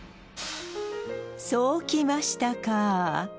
そうきましたか！